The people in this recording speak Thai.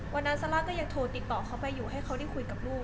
ซาร่าก็ยังโทรติดต่อเขาไปอยู่ให้เขาได้คุยกับลูก